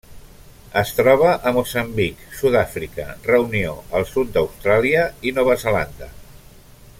Es troba a Moçambic, Sud-àfrica, Reunió, el sud d'Austràlia i Nova Zelanda.